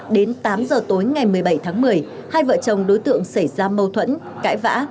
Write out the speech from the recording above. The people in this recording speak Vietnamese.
đến tám giờ tối ngày một mươi bảy tháng một mươi hai vợ chồng đối tượng xảy ra mâu thuẫn cãi vã